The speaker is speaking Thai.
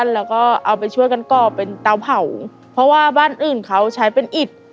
แล้วก็เอาไปช่วยกันก่อเป็นเตาเผาเพราะว่าบ้านอื่นเขาใช้เป็นอิด